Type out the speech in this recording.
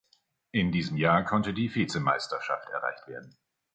In diesem Jahr konnte die Vizemeisterschaft erreicht werden.